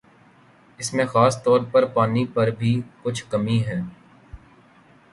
اس میں خاص طور پر پانی پر بھی کچھ کمی ہے